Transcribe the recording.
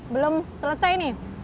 belum selesai nih